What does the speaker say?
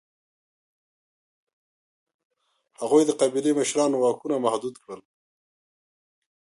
هغوی د قبایلي مشرانو واکونه محدود کړل.